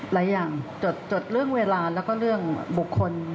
หลายอย่างจดเรื่องเวลาแล้วก็เรื่องบุคคล